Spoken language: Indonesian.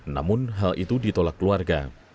namun hal itu ditolak keluarga